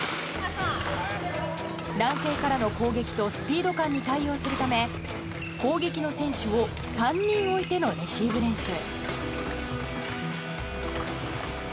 男性からの攻撃とスピード感に対応するため攻撃の選手を３人置いてのレシーブ練習。